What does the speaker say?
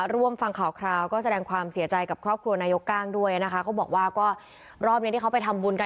ร่วมฟังข่อคราวก็แสดงความเสียใจรอบนี้ที่เขาไปทำบุญ